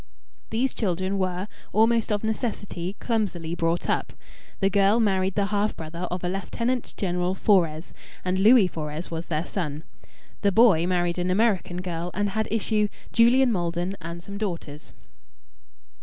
These children were, almost of necessity, clumsily brought up. The girl married the half brother of a Lieutenant General Fores, and Louis Fores was their son. The boy married an American girl, and had issue, Julian Maldon and some daughters.